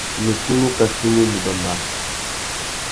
Nnú tunu kachimú u mù bàmbàra.